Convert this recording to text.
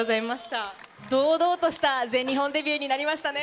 堂々とした全日本デビューになりましたね。